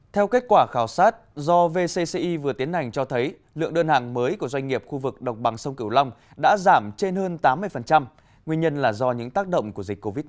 theo kết quả khảo sát do vcci vừa tiến hành cho thấy lượng đơn hàng mới của doanh nghiệp khu vực độc bằng sông cửu long đã giảm trên hơn tám mươi nguyên nhân là do những tác động của dịch covid một mươi chín